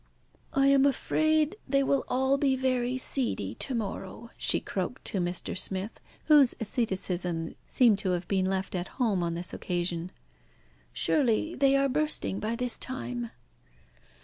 "I am afraid they will all be very seedy to morrow," she croaked to Mr. Smith, whose asceticism seemed to have been left at home on this occasion. "Surely they are bursting by this time."